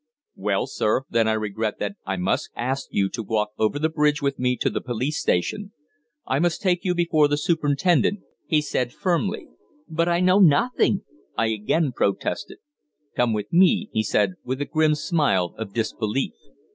"Well, sir, then I regret that I must ask you to walk over the bridge with me to the police station. I must take you before the superintendent," he said firmly. "But I know nothing," I again protested. "Come with me," he said, with a grim smile of disbelief.